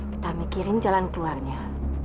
kita mikirin jalan keluarnya